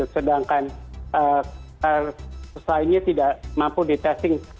sedangkan selainnya tidak mampu di tracing